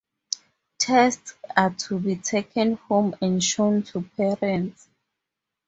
Tests are to be taken home and shown to parents.